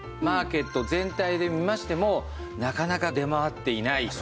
マーケット全体で見ましてもなかなか出回っていない。